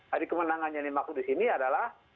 hari kemenangan yang dimaksud di sini adalah